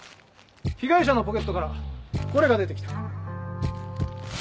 被害者のポケットからこれが出て来た。